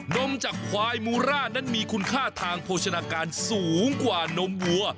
นมจากควายมูร่านั้นมีคุณค่าทางโภชนาการสูงกว่านมวัว